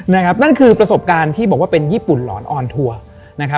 นั่นคือประสบการณ์ที่บอกว่าเป็นญี่ปุ่นหลอนออนทัวร์นะครับ